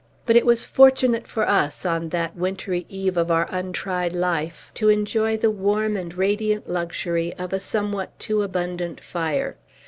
But it was fortunate for us, on that wintry eve of our untried life, to enjoy the warm and radiant luxury of a somewhat too abundant fire.